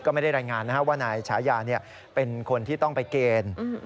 ก็ไม่ได้รายงานว่านายฉายาเป็นคนที่ต้องไปเกณฑ์